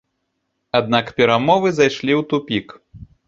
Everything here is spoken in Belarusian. Аднак перамовы зайшлі ў тупік.